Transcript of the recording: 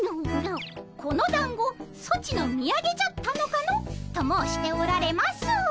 「このだんごソチのみやげじゃったのかの？」と申しておられます。